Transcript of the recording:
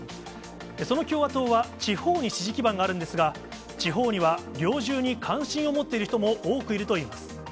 その共和党は地方に支持基盤があるんですが、地方には猟銃に関心を持っている人も多くいるといいます。